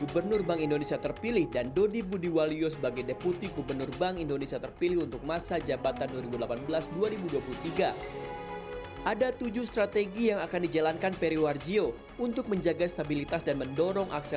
berita terkini dari komisi sebelas dpr